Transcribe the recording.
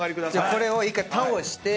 これを１回倒して。